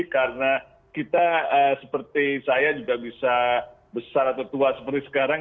karena kita seperti saya juga bisa besar atau tua seperti sekarang